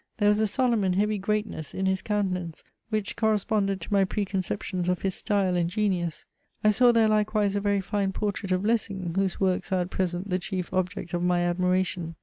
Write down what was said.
There was a solemn and heavy greatness in his countenance, which corresponded to my preconceptions of his style and genius. I saw there, likewise, a very fine portrait of Lessing, whose works are at present the chief object of my admiration.